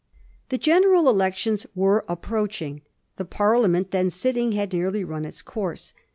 The general elections were approaching ; the Parliament then sitting had nearly run its course.